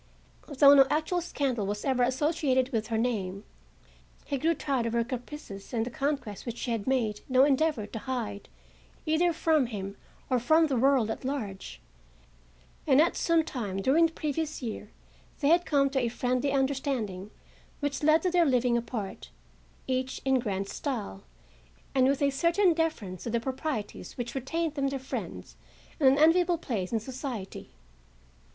Though no actual scandal was ever associated with her name, he grew tired of her caprices, and the conquests which she made no endeavor to hide either from him or from the world at large; and at some time during the previous year they had come to a friendly understanding which led to their living apart, each in grand style and with a certain deference to the proprieties which retained them their friends and an enviable place in society.